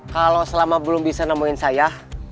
kalau selama belum bisa nemuin saya